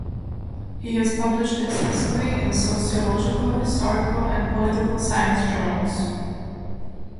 He has published extensively in sociological, historical and political science journals.